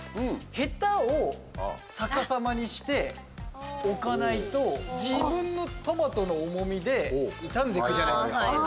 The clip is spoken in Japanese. へたを逆さまにして置かないと自分のトマトの重みで傷んでいくじゃないですか。